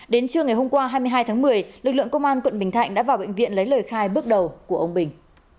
đến trưa ngày hôm qua hai mươi hai tháng một mươi lực lượng công an quận bình thạnh đã vào bệnh viện lấy lời khai bước đầu của ông bình